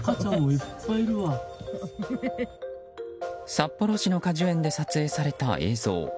札幌市の果樹園で撮影された映像。